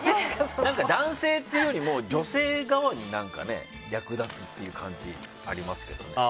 男性っていうよりも女性側に略奪っていう感じありますけどね。